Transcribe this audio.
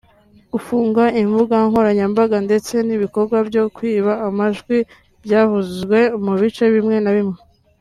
gufunga imbuga nkoranyambaga ndetse n’ibikorwa byo kwiba amajwi byavuzwe mu bice bimwe na bimwe